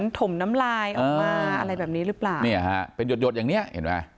ถมน้ำลายออกมาอะไรแบบนี้หรือเปล่าเนี่ยฮะเป็นหยดหดอย่างเนี้ยเห็นไหม